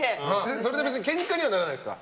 それで別にケンカにはならないですか？